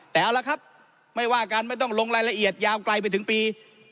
แต่เอาละครับไม่ว่ากันไม่ต้องลงรายละเอียดยาวไกลไปถึงปี